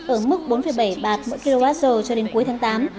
ở mức bốn bảy bạt mỗi kwh cho đến cuối tháng tám